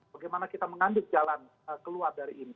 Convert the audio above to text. bagaimana kita mengandung jalan keluar dari ini